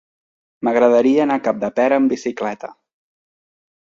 M'agradaria anar a Capdepera amb bicicleta.